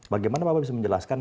bagaimana bapak bisa menjelaskan